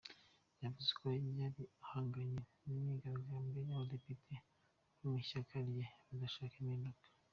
Yavuze ko yari ahanganye n'"imyigaragambyo" y'abadepite bo mu ishyaka rye badashaka impinduka.